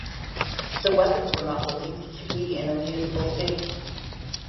The weapons were not believed to be in a usable state.